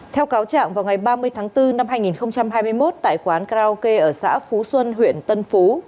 theo cáo trạng vào ngày ba mươi tháng bốn năm hai nghìn hai mươi một tại quán karaoke ở xã phú xuân huyện tân phú